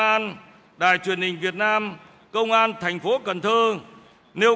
an đài truyền hình việt nam công an thành phố cần thơ nêu